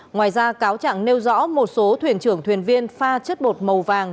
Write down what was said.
ngoài ra cáo chẳng nêu rõ một số thuyền trưởng thuyền viên pha chất bột màu vàng